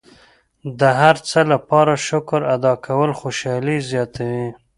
د هر څه لپاره شکر ادا کول خوشحالي زیاتوي.